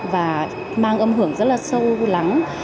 và mang âm hưởng rất là sâu lắng